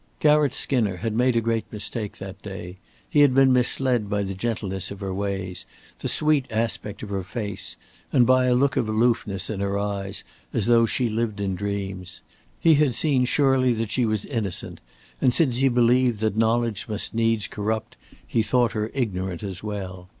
Garratt Skinner had made a great mistake that day. He had been misled by the gentleness of her ways, the sweet aspect of her face, and by a look of aloofness in her eyes, as though she lived in dreams. He had seen surely that she was innocent, and since he believed that knowledge must needs corrupt, he thought her ignorant as well.